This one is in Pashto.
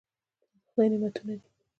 دا د خدای نعمتونه دي.